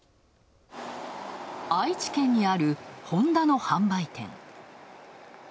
愛知県にあるホンダの販売店。